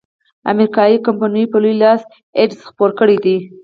امریکایي کمپینو په لوی لاس ایډز خپور کړیدی.